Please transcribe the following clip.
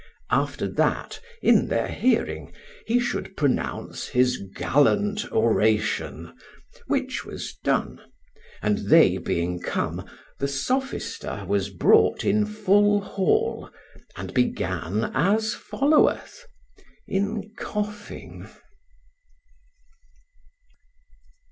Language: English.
After that, in their hearing, he should pronounce his gallant oration, which was done; and they being come, the sophister was brought in full hall, and began as followeth, in coughing.